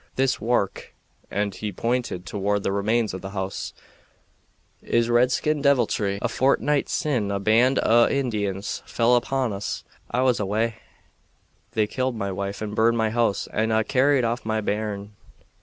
This wark," and he pointed toward the remains of the house, "is redskin deviltry. A fortnight sin' a band o' Indians fell upon us. I was awa'. They killed my wife and burned my house and ha' carried off my bairn."